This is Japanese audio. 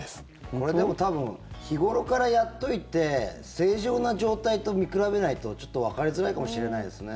これ、でも多分日頃からやっといて正常な状態と見比べないとちょっとわかりづらいかもしれないですね。